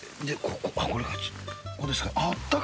ここですか。